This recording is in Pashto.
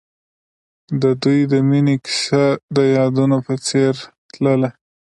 د دوی د مینې کیسه د یادونه په څېر تلله.